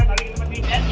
dari yang surat ini kan